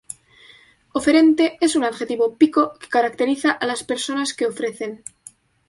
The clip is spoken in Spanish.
Oferente es un adjetivo pico que caracteriza a las personas que ofrecen.